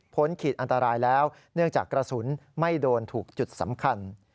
ขีดอันตรายแล้วเนื่องจากกระสุนไม่โดนถูกจุดสำคัญ